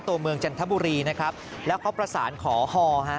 ตัวเมืองจันทบุรีนะครับแล้วเขาประสานขอฮอฮะ